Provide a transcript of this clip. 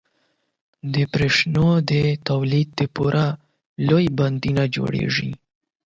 • د برېښنا د تولید لپاره لوی بندونه جوړېږي.